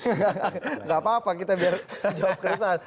nggak nggak nggak nggak apa apa kita biar jawab keresahan